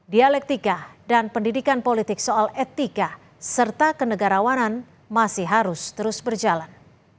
dialektika dan pendidikan politik soal etika serta kenegarawanan masih harus terus berjalan